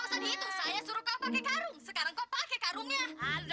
sampai jumpa di video selanjutnya